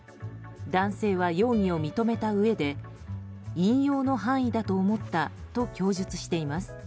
男性は容疑を認めたうえで引用の範囲だと思ったと供述しています。